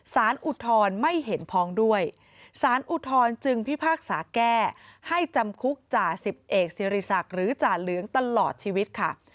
อุทธรณ์ไม่เห็นพ้องด้วยสารอุทธรณ์จึงพิพากษาแก้ให้จำคุกจ่าสิบเอกสิริศักดิ์หรือจ่าเหลืองตลอดชีวิตค่ะ